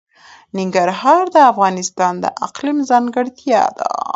ننګرهار د افغانستان د اقلیم ځانګړتیا ده.